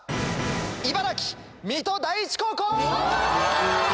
茨城水戸第一高校！